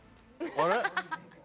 あれ。